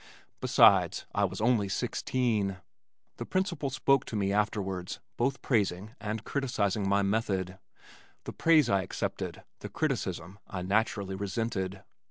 Besides I was only sixteen! The principal spoke to me afterwards, both praising and criticising my method. The praise I accepted, the criticism I naturally resented.